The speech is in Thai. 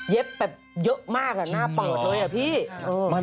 แบบเยอะมากหน้าเปิดเลยอะพี่